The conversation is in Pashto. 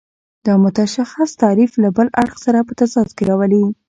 دا متشخص تعریف له بل اړخ سره په تضاد کې راولي.